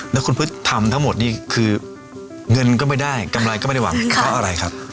แล้วคุณพฤษทำทั้งหมดนี่คือเงินก็ไม่ได้กำไรก็ไม่ได้หวังเพราะอะไรครับ